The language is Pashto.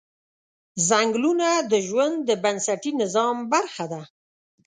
ځنګلونه د ژوند د بنسټي نظام برخه ده